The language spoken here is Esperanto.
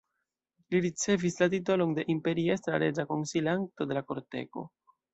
Li ricevis la titolon de imperiestra-reĝa konsilanto de la kortego.